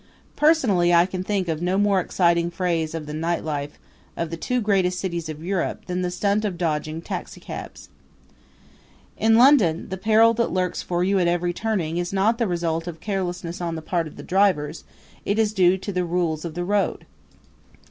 Personally I can think of no more exciting phase of the night life of the two greatest cities of Europe than the stunt of dodging taxicabs. In London the peril that lurks for you at every turning is not the result of carelessness on the part of the drivers; it is due to the rules of the road.